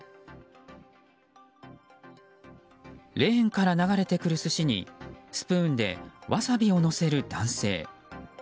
レーンから流れてくる寿司にスプーンでワサビをのせる男性。